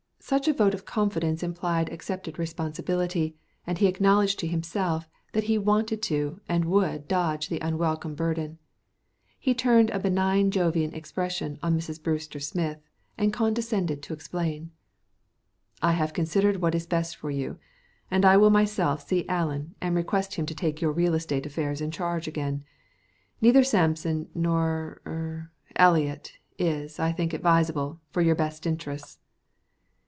Such a vote of confidence implied accepted responsibility, and he acknowledged to himself that he wanted to and would dodge the unwelcome burden. He turned a benign Jovian expression on Mrs. Brewster Smith and condescended to explain. "I have considered what is best for you, and I will myself see Allen and request him to take your real estate affairs in charge again. Neither Sampson nor er Eliot is, I think, advisable for your best interests."